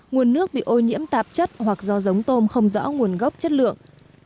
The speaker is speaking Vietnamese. nguồn nước bị ô nhiễm tạp chất hoặc do giống tôm không rõ nguồn gốc chất lượng